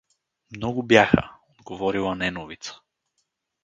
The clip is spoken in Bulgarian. Много бяха отговорила Неновица.